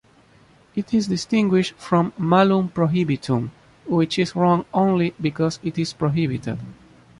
It is distinguished from "malum prohibitum", which is wrong only because it is prohibited.